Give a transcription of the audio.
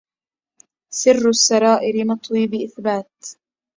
سر السرائر مطوي بإثبات